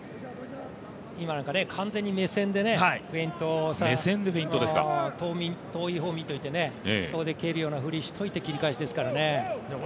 今なんか、完全に目線で遠い方見ておいて、蹴るようなふりをしていて、蹴り返しですからね。